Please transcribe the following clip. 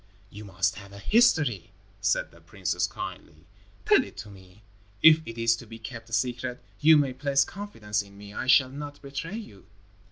"You must have a history," said the princess, kindly. "Tell it to me. If it is to be kept a secret, you may place confidence in me. I shall not betray you."